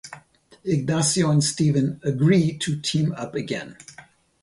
Ignacio and Steven agree to team up again.